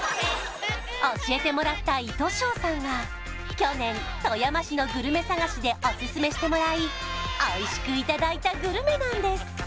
教えてもらった糸庄さんは去年富山市のグルメ探しでオススメしてもらいおいしくいただいたグルメなんです